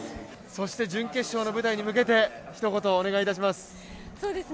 そして準決勝の舞台に向けてひと言お願いいたします。